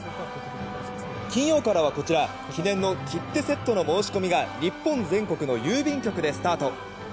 金曜からはこちら記念の切手セットの申し込みが日本全国の郵便局でスタート。